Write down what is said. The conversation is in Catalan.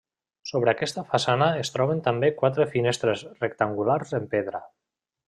Sobre aquesta façana es troben també quatre finestres rectangulars en pedra.